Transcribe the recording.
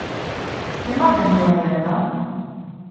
Zenbat denbora behar da?